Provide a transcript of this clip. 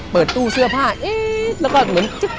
เปิดตู้เสื้อผ้าเอ๊ะแล้วก็เหมือน